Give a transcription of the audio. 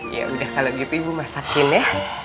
ya udah kalau gitu ibu masakin ya